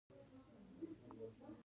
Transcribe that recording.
خزنده ګان ولې په سینه ځي؟